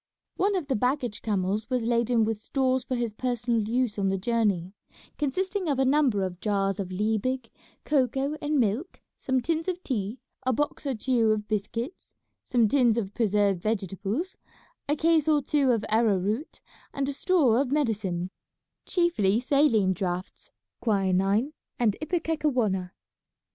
One of the baggage camels was laden with stores for his personal use on the journey, consisting of a number of jars of Liebig, cocoa, and milk, some tins of tea, a box or two of biscuits, some tins of preserved vegetables, a case or two of arrow root, and a store of medicine, chiefly saline draughts, quinine, and ipecacuanha.